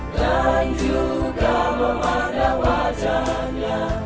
dan juga memandang wajahnya